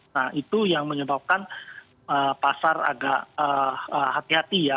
nah itu yang menyebabkan pasar agak hati hati ya